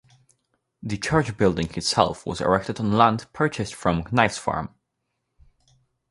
The church building itself was erected on land purchased from Knives Farm.